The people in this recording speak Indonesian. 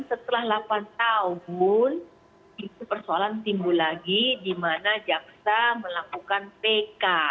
setelah delapan tahun itu persoalan timbul lagi di mana jaksa melakukan pk